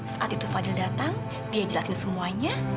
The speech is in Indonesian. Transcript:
saat itu fadil datang dia jelasin semuanya